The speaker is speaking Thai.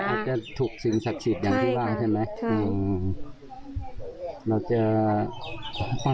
แต่อาจจะถูกสิงห์ศักษิษย์อย่างที่ว่าใช่ไหมใช่เราจะ